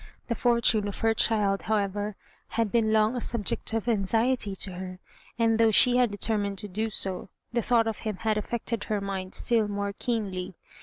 The fortune of her child, however, had been long a subject of anxiety to her; and though she had determined to do so, the thought of him had affected her mind still more keenly.